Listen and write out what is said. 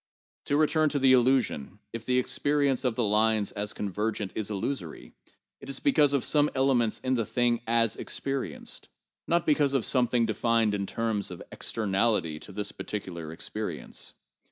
To return to the illusion: If the experience of the lines as convergent is illusory, it is because of some elements in the thing as experienced, not because of something de fined in terms of externality to this particular experience.